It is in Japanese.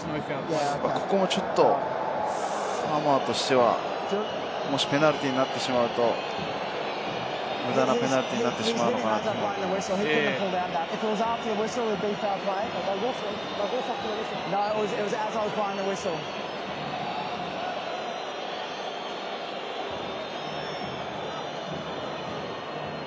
ここもちょっと、サモアとしてはペナルティーになってしまうと、無駄なペナルティーになってしまうのかなと思います。